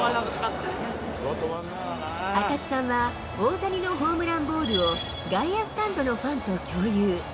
赤津さんは大谷のホームランボールを、外野スタンドのファンと共有。